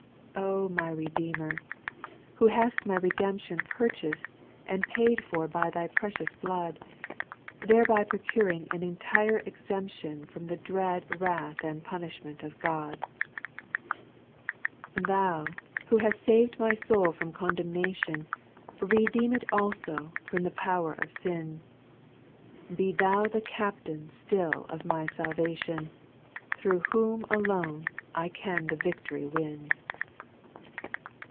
2. O my Redeemer ! who hast my redemption Purchas'd and paid for by Thy precious blood, Thereby procuring an entire exemption From the dread wrath and punishment of God; 264 SPIRITUAL SONGS, Thou who hast saved my soul from condemn^ ation, Redeem it also from the power of sin ; Be Thou the Captain still of my salvation, Through whom alone I can the victory win.